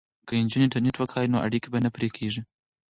که نجونې انټرنیټ وکاروي نو اړیکې به نه پرې کیږي.